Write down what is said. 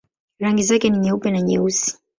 Rangi zake ni nyeupe na nyeusi.